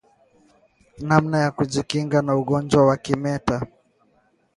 Namna ya kujikinga na ugonjwa wa kimeta